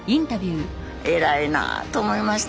偉いなと思いました。